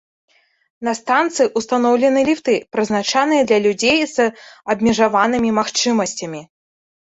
На станцыі ўстаноўлены ліфты, прызначаныя для людзей з абмежаванымі магчымасцямі.